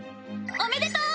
おめでとう！